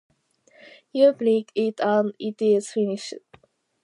You prick it and it is finished.